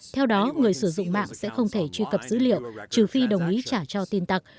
theo đó người sử dụng mạng sẽ không thể truy cập dữ liệu trừ phi đồng ý trả cho tin tặc